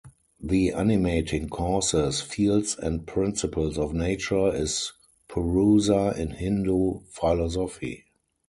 The animating causes, fields and principles of nature is Purusa in Hindu philosophy.